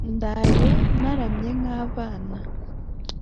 ndaye ntaramye nk'abana